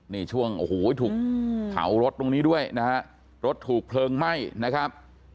นี่ช่วงโอ้โหถูกเผารถตรงนี้ด้วยนะฮะรถถูกเพลิงไหม้นะครับ